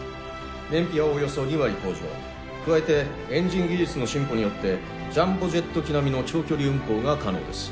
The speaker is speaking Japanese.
燃費はおよそ２割向上加えてエンジン技術の進歩によってジャンボジェット機並みの長距離運航が可能です。